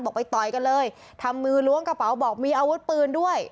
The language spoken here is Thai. ไปต่อยกันเลยทำมือล้วงกระเป๋าบอกมีอาวุธปืนด้วย